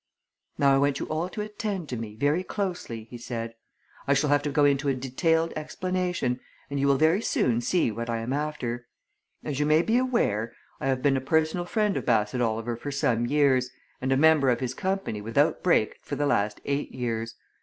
"Now I want you all to attend to me, very closely," he said. "I shall have to go into a detailed explanation, and you will very soon see what I am after. As you may be aware, I have been a personal friend of Bassett Oliver for some years, and a member of his company without break for the last eight years.